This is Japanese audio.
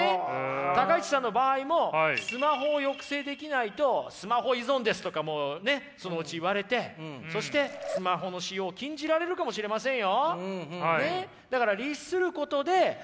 高市さんの場合もスマホを抑制できないと「スマホ依存です」とかもうねそのうち言われてそしてスマホの使用を禁じられるかもしれませんよ。